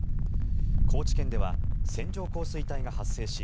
高知県では線状降水帯が発生し